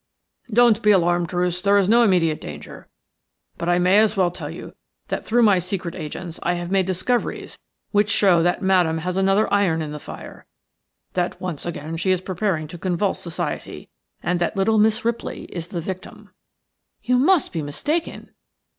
"Don't be alarmed, Druce; there is no immediate danger; but I may as well tell you that through my secret agents I have made discoveries which show that Madame has another iron in the fire, that once again she is preparing to convulse Society, and that little Miss Ripley is the victim." "SHE IS PREPARING TO CONVULSE SOCIETY." "You must be mistaken."